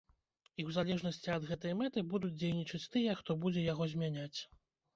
І ў залежнасці ад гэтай мэты будуць дзейнічаць тыя, хто будзе яго змяняць.